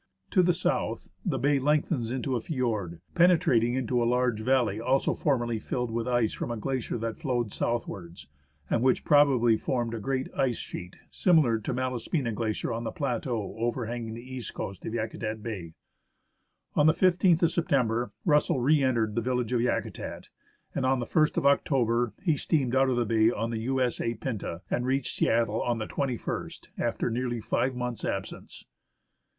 To the south the bay lengthens into a fiord, penetrating into a large valley also formerly filled with ice from a glacier that flowed southwards, and which probably formed a great ice sheet, similar 62 THE HISTORY OF MOUNT ST. ELIAS to Malaspina Glacier on the plateau overhanging the east coast of Yakutat Bay. On the 15th of September Russell re entered the village of Yakutat, and on the ist of October he steamed out of the bay on the U.S.A. Pinta, and reached Seattle on the 2 1 St, after nearly five months' absence.